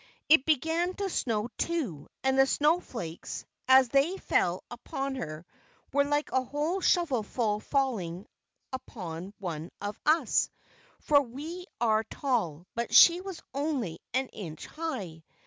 It began to snow too; and the snow flakes, as they fell upon her, were like a whole shovelful falling upon one of us, for we are tall, but she was only an inch high.